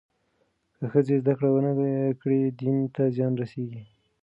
که ښځې زدهکړه ونه کړي، دین ته زیان رسېږي.